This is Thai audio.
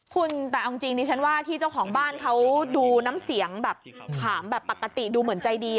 คุณแต่เอาจริงดิฉันว่าที่เจ้าของบ้านเขาดูน้ำเสียงแบบถามแบบปกติดูเหมือนใจดี